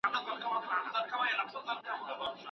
پاچا ملک محمود ته پیغام ولیږه چې بیرته ستون شي.